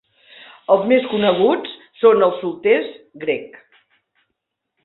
Els més coneguts són els solters Greg!